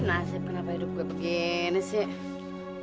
nasib kenapa hidup gue begini sih